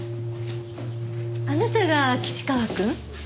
あなたが岸川くん？